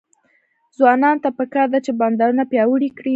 ځوانانو ته پکار ده چې، بندرونه پیاوړي کړي.